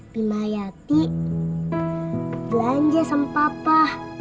bimariati belanja sama papa